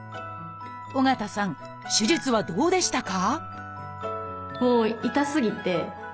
緒方さん手術はどうでしたか？